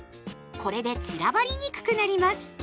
これで散らばりにくくなります。